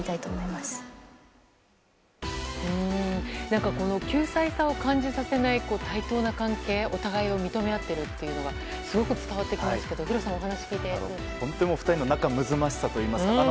何か、９歳差を感じさせない対等な関係、お互いを認め合っているというのがすごく伝わってきますけど本当に２人の仲むつまじさといいますか。